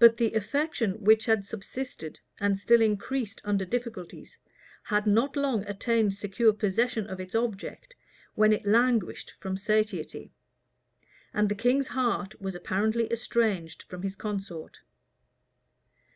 But the affection which had subsisted, and still increased under difficulties, had not long attained secure possession of its object, when it languished from satiety; and the king's heart was apparently estranged from his consort.